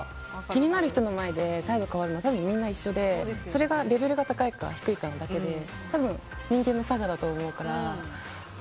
気になる人の前で態度変わるのはみんな一緒でそれがレベルが高いか低いかだけで多分、人間の性だと思うから。